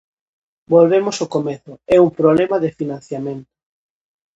Volvemos ao comezo: é un problema de financiamento.